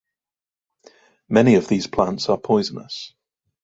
Many of these plants are poisonous.